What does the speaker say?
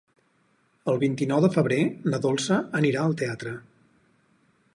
El vint-i-nou de febrer na Dolça anirà al teatre.